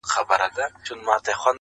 خپروي زړې تيارې پر ځوانو زړونو،